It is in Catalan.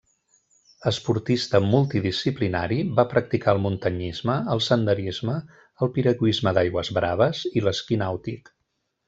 Esportista multidisciplinari, va practicar el muntanyisme, el senderisme, el piragüisme d'aigües braves i l’esquí nàutic.